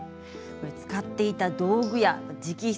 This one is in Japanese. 使っていた道具や直筆